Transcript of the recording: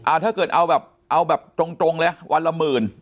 ถ้าเกิดเอาแบบเอาแบบตรงเลยวันละหมื่น